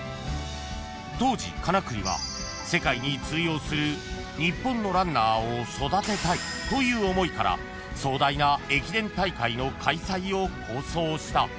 ［当時金栗は世界に通用する日本のランナーを育てたいという思いから壮大な駅伝大会の開催を構想した］